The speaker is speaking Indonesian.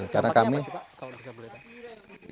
kenapa sih pak kalau bisa meletak